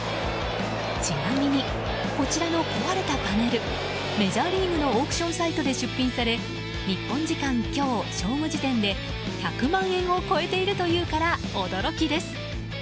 ちなみに、こちらの壊れたパネルメジャーリーグのオークションサイトで出品され日本時間今日正午時点で１００万円を超えているというから驚きです。